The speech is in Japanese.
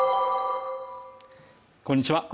こんにちは